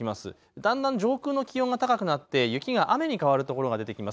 だんだん上空の気温が高くなって雪が雨に変わる所が出てきます。